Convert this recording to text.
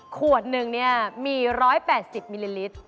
ขวดหนึ่งเนี่ยมี๑๘๐มิลลิลิตร